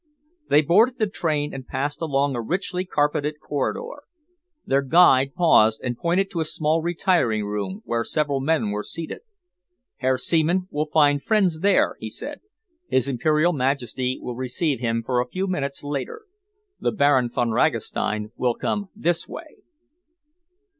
They boarded the train and passed along a richly carpeted corridor. Their guide paused and pointed to a small retiring room, where several men were seated. "Herr Seaman will find friends there," he said. "His Imperial Majesty will receive him for a few minutes later. The Baron Von Ragastein will come this way."